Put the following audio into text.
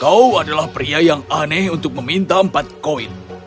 kau adalah pria yang aneh untuk meminta empat koin